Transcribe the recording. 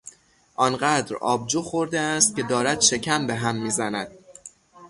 آنقدر آبجو خورده است که دارد شکم به هم میزند.